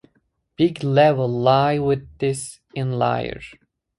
Big Level lie within this Inlier.